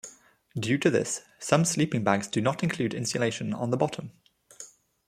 Due to this, some sleeping bags do not include insulation on the bottom.